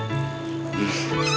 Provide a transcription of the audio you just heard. gue beli ini